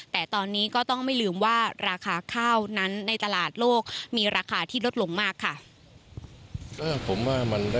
แต่ตอนนี้ก็ต้องไม่ลืมว่าราคาข้าวนั้นในตลาดโลกมีราคาที่ลดลงมากค่ะ